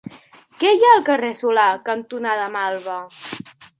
Què hi ha al carrer Solà cantonada Malva?